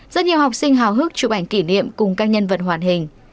rất nhiều học sinh hào hức chụp ảnh kỷ niệm cùng các nhân vật hoàn hình